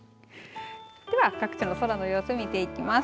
では各地の空の様子見ていきます。